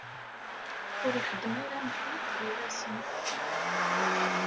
Ur ixeddem ara maḥyaf gar-asen